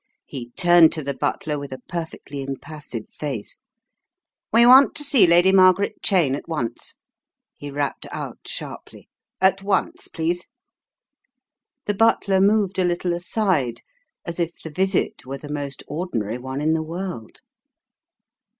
He turned to the butler with a perfectly impassive face. " We want to see Lady Margaret Cheyne at once, " he rapped out sharply. "At once please! " The butler moved a little aside, as if the visit were the most ordinary one in the world.